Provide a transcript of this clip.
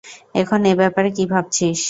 এখন এ ব্যাপারে কি ভাবছিস?